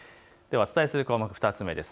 お伝えする項目、２つ目です。